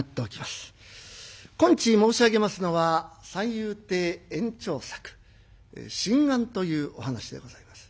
今日申し上げますのは三遊亭圓朝作「心眼」というお噺でございます。